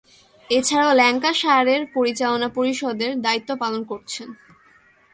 এছাড়াও, ল্যাঙ্কাশায়ারের পরিচালনা পরিষদের দায়িত্ব পালন করছেন।